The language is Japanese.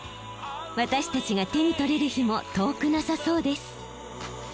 私たちが手に取れる日も遠くなさそうです。